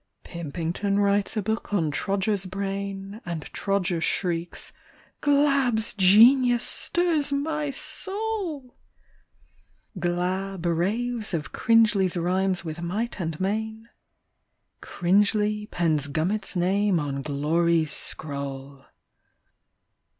Pimpington writes a book on Trodger's brain. And Trodger shrieks :" Glabb's genius stirs my soul !'' Glabb raves of Cringely's rhymes with might and main; Cringely pens Gummit's name on glory's scroll.